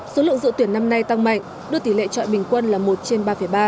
số lượng dự tuyển năm nay tăng mạnh đưa tỷ lệ trọi bình quân là một trên ba ba